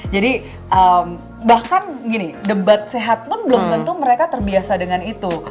jadi bahkan gini debat sehat pun belum tentu mereka terbiasa dengan itu